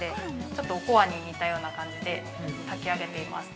ちょっとおこわに似たような感じで炊き上げています。